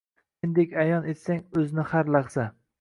Mendek ayon etsang o’zni har lahza.